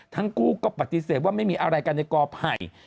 ทั้งกูก็ปฏิเสธว่าไม่มีอะไรกันแต่กอภัย